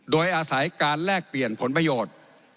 โดยอาศัยการแลกเปลี่ยนผลประโยชน์